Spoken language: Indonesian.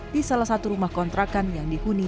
di salah satu rumah kontrakan yang dihuni